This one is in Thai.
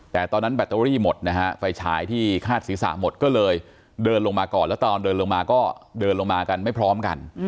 แต่ตอนนั้นแบตเตอรี่หมดนะฮะไฟฉายที่คาดศีรษะหมดก็เลยเดินลงมาก่อนแล้วตอนเดินลงมาก็เดินลงมากันไม่พร้อมกัน